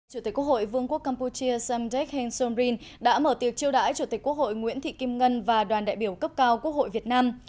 chủ tịch quốc hội vương quốc campuchia samdek heng somrin đã mở tiệc chiêu đãi chủ tịch quốc hội nguyễn thị kim ngân và đoàn đại biểu cấp cao quốc hội việt nam